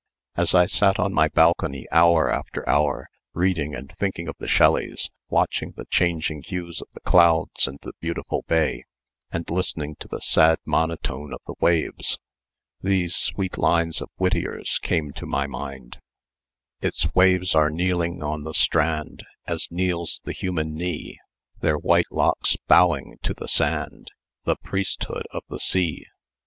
As I sat on my balcony hour after hour, reading and thinking of the Shelleys, watching the changing hues of the clouds and the beautiful bay, and listening to the sad monotone of the waves, these sweet lines of Whittier's came to my mind: "Its waves are kneeling on the strand, As kneels the human knee, Their white locks bowing to the sand, The priesthood of the sea!